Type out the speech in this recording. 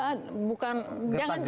jangan juga di enteng